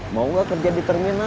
mau nggak kerja di terminal